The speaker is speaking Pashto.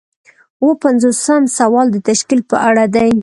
اووه پنځوسم سوال د تشکیل په اړه دی.